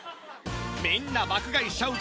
みんな爆買いしちゃう